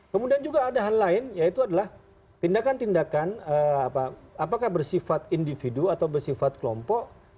kemudian juga ada hal lain yaitu adalah tindakan tindakan apakah bersifat individu atau bersifat kelompok